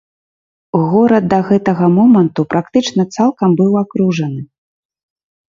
Горад да гэтага моманту практычна цалкам быў акружаны.